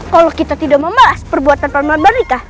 kalau kita tidak membalas perbuatan paman badika